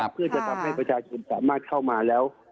เพื่อจะทำให้ประชาชนสามารถเข้ามาแล้ว